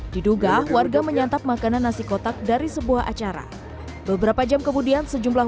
diduga warga menyantap makanan nasi kotak dari sebuah acara beberapa jam kemudian sejumlah